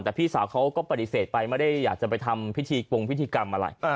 แต่พี่สาวเขาก็ปฏิเสธไปไม่ได้อยากจะไปทำพิธีกงพิธีกรรมอะไร